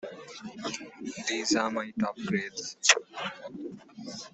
These are my top grades.